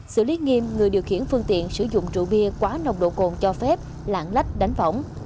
xử lý nghiêm người điều khiển phương tiện sử dụng rượu bia quá nồng độ cồn cho phép lạng lách đánh võng